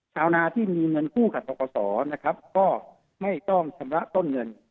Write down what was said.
ชาวนาที่มีเงินคู่กับตรกศก็ไม่ต้องชำระต้นเงิน